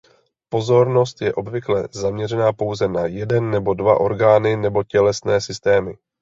Pozornost je obvykle zaměřena pouze na jeden nebo dva orgány nebo tělesné systémy.